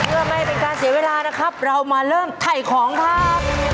เพื่อไม่เป็นการเสียเวลานะครับเรามาเริ่มถ่ายของครับ